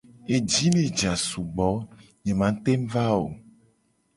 Eji le ja sugbo, nye ma teng va o.